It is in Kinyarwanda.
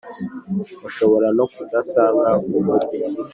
ushobora no kudusanga mumujyi